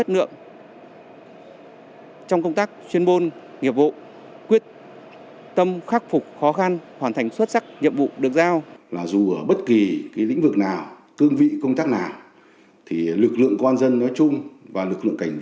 trong phong trào thi đua yêu nước chủ tịch hồ chí minh đã từng nói